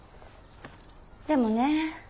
でもね